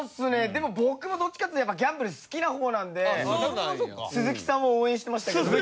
でも僕もどっちかっていうとやっぱギャンブル好きな方なんで鈴木さんを応援してましたけども。